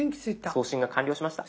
送信が完了しました。